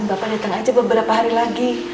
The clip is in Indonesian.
bapak datang aja beberapa hari lagi